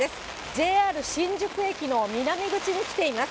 ＪＲ新宿駅の南口に来ています。